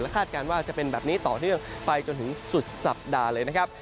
คาดการณ์ว่าจะเป็นแบบนี้ต่อเนื่องไปจนถึงสุดสัปดาห์เลยนะครับ